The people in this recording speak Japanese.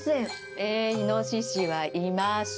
えイノシシはいます。